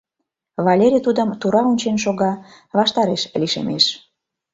Валерий тудым тура ончен шога, ваштареш лишемеш.